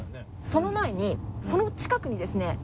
その前にその近くにですねへぇ。